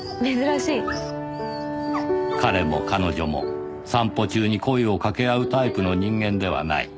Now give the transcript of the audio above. “彼”も“彼女”も散歩中に声をかけ合うタイプの人間ではない